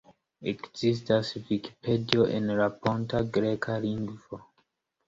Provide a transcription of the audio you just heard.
Ekzistas Vikipedio en la ponta greka lingvo.